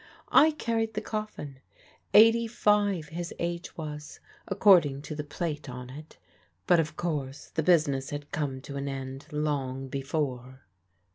I carried the coffin; eighty five his age was, according to the plate on it; but, of course, the business had come to an end long before.